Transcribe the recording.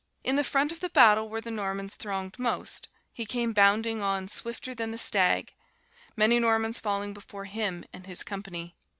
In the front of the battle where the Normans thronged most, he came bounding on swifter than the stag, many Normans falling before him and his company.